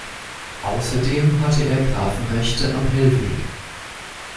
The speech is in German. Außerdem hatte er Grafenrechte am Hellweg.